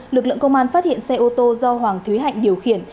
lực lượng công an phát hiện xe ô tô do hoàng thúy hạnh điều khiển